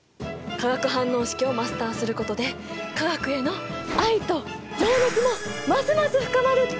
化学反応式をマスターすることで化学への愛と情熱もますます深まるってものよ！